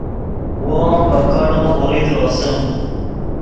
وو ام ڤے کیڑو غوریت روسے